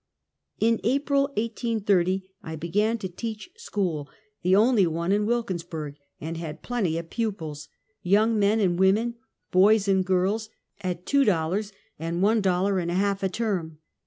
In April, 1830, I began to teach school, the onlj' one in Wilkinsburg, and had plenty of pupils, young men and women, boys and girls, at two dollars and one dollar and a half a term.